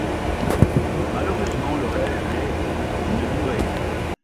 Malheureusement le rêve n'est que de courte durée.